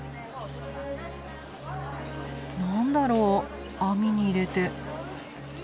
何だろう網に入れて。